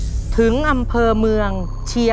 น้องป๋องเลือกเรื่องระยะทางให้พี่เอื้อหนุนขึ้นมาต่อชีวิต